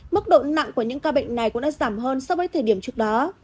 mức độ nặng của những ca bệnh này cũng đã giảm hơn so với thời điểm trước đó